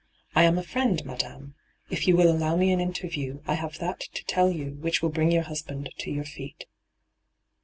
' I am a friend, madame ! If you will allow me an interview, I have that to tell you which will bring your husband to your feet.'